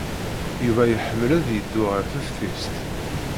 Yuba iḥemmel ad yeddu ɣer teftist.